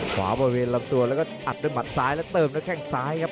ขวาบริเวณลำตัวแล้วก็อัดด้วยหมัดซ้ายแล้วเติมด้วยแข้งซ้ายครับ